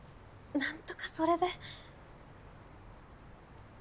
なんとかそれで。